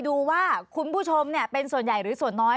ดูว่าคุณผู้ชมเป็นส่วนใหญ่หรือส่วนน้อย